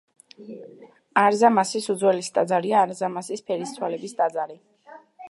არზამასის უძველესი ტაძარია არზამასის ფერისცვალების ტაძარი.